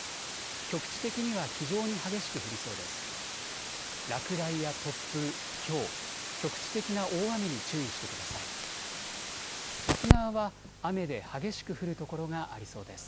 局地的には非常に激しく降りそうです。